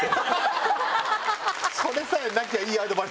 それさえなきゃいいアドバイスだったのに。